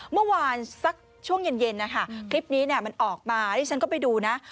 เมื่อวานสักช่วงเย็นนะคะคลิปนี้มันออกมาที่ฉันก็ไปดูนะ